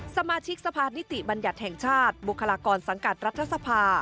สมาชิกสภานิติบัญญัติแห่งชาติบุคลากรสังกัดรัฐสภา